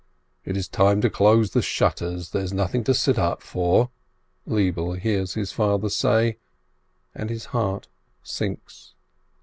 "It is time to close the shutters — there's nothing to sit up for!" Lebele hears his father say, and his heart sinks.